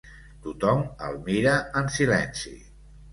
Tothom el mira en silenci.